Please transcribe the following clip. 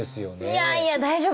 いやいや大丈夫です！